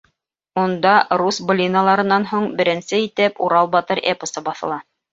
Унда рус былиналарынан һуң беренсе итеп «Урал батыр» эпосы баҫыла.